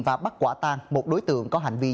và bắt quả tang một đối tượng có hành vi